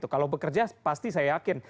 kalau bekerja pasti saya yakin